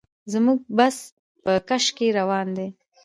زموږ بس په کش کې روان دی.